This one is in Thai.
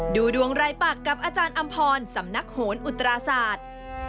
ดูดวงรายปากกับอาจารย์อำพรสำนักโหนอุตราศาสตร์